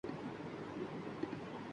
سر زیرِ بارِ منت درباں کیے ہوئے